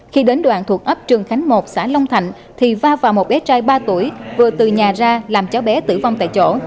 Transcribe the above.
khi đến đoạn thuộc ấp trường khánh một xã long thạnh thì va vào một bé trai ba tuổi vừa từ nhà ra làm cháu bé tử vong tại chỗ